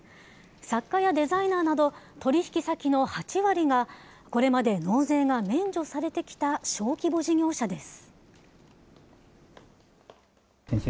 作家やデザイナーなど、取り引き先の８割が、これまで納税が免除されてきた小規模事業者です。